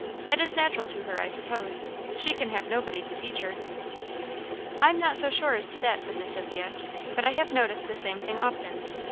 It is natural to her, I suppose; she can have nobody to teach her." "I am not so sure as to that," said Miss Sophia; "but I have noticed the same thing often.